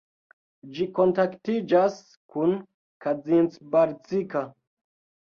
Ĝi kontaktiĝas kun Kazincbarcika.